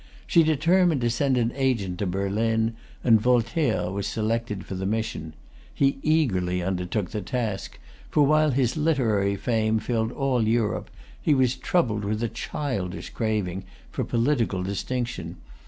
She determined to send an agent to Berlin; and Voltaire was selected for the mission. He eagerly undertook the task; for, while his literary fame filled all Europe, he was troubled with a childish craving for political distinction.